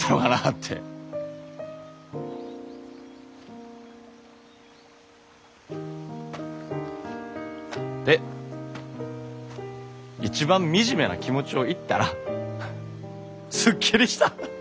って一番惨めな気持ちを言ったらスッキリした！